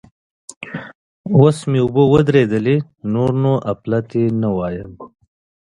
اوس مې اوبه ودرېدلې؛ نور نو اپلاتي نه وایم.